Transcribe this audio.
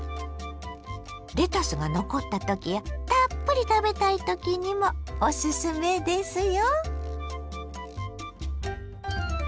レタスが残ったときやたっぷり食べたいときにもおすすめですよ。